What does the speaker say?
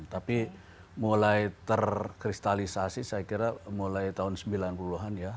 tapi mulai terkristalisasi saya kira mulai tahun sembilan puluh an ya